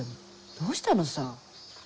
どうしたのさ？